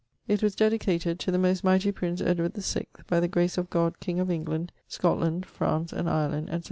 It was dedicated 'to the most mighty prince Edward the 6th by the grace of God king of England, Scotland, France and Ireland, etc.'